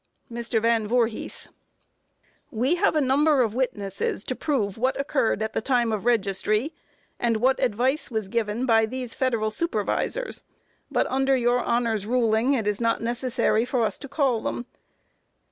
MR. VAN VOORHIS: We have a number of witnesses to prove what occurred at the time of registry, and what advice was given by these federal supervisors, but under your Honor's ruling it is not necessary for us to call them.